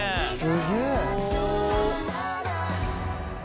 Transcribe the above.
すげえ。